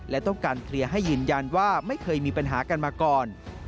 และต้องการเคลียร์ให้ยืนยันว่าไม่เคยมีปัญหากันมาก่อน